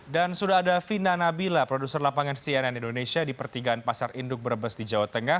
dan sudah ada vina nabila produser lapangan cnn indonesia di pertigaan pasar induk brebes di jawa tengah